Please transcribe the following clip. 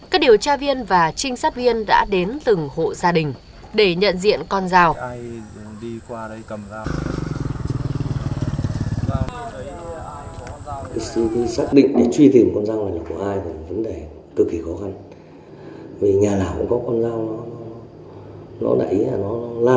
các điều tra viên và trinh sát viên đã đến từng hộ gia đình để nhận diện con dao